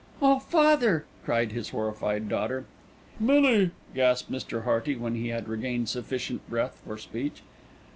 "Oh, father!" cried his horrified daughter. "Millie!" gasped Mr. Hearty when he had regained sufficient breath for speech.